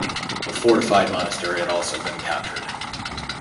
The fortified monastery had also been captured.